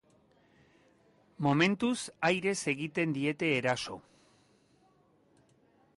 Momentuz, airez egiten diete eraso.